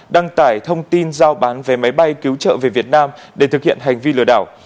đăng tải thông tin giao bán vé máy bay cứu trợ về việt nam để thực hiện hành vi lừa đảo